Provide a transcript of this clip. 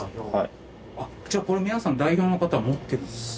じゃあこれ皆さん代表の方は持ってるんですね？